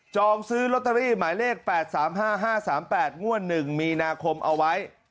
ซื้อลอตเตอรี่หมายเลข๘๓๕๕๓๘งวด๑มีนาคมเอาไว้